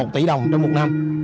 một mươi một tỷ đồng trong một năm